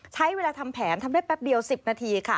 ใช้เวลาทำแผนทำได้แป๊บเดียว๑๐นาทีค่ะ